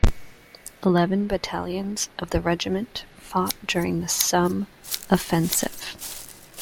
Eleven battalions of the regiment fought during the Somme offensive.